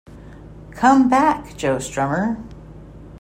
Come back, Joe Strummer.